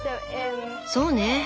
そうね